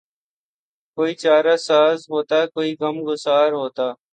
کوئی چارہ ساز ہوتا کوئی غم گسار ہوتا